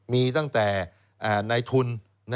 มีตั้งแต่ในทุน